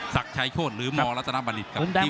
สักชายโชตหรือมหลักษณะบรรดิ